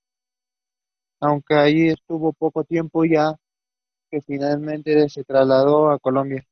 Aunque allí estuvo poco tiempo, ya que finalmente se trasladó a Colombia.